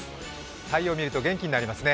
太陽を見ると元気になりますね。